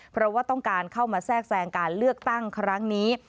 เพราะว่าต้องการเข้ามาแทรกแทรงการเลือกตั้งครั้งนี้